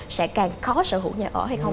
sẽ càng khó sở hữu nhà ở hay không